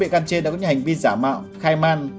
hai bị can trên đã có những hành vi giả mạo khai man